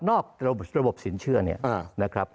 นอกระบบสินเชื่อเนี่ยนะครับ